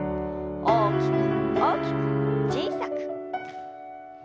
大きく大きく小さく。